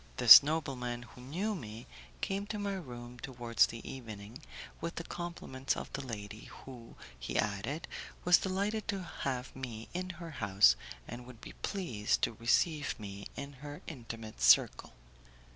This nobleman, who knew me, came to my room towards the evening, with the compliments of the lady, who, he added, was delighted to have me in her house, and would be pleased to receive me in her intimate circle.